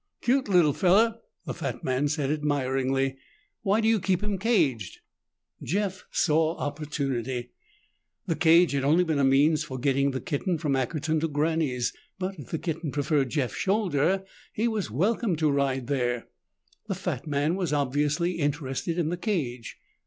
"Cute lil' feller!" the fat man said admiringly. "Why do you keep him caged?" Jeff saw opportunity. The cage had been only a means for getting the kitten from Ackerton to Granny's. But if the kitten preferred Jeff's shoulder, he was welcome to ride there. The fat man was obviously interested in the cage.